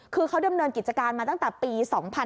คือเขาดำเนินกิจการมาตั้งแต่ปี๒๕๕๙